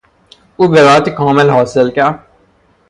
او برائت کامل حاصل کرد.